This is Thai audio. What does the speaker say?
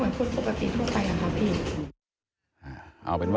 และก็จะรับความจริงของตัวเอง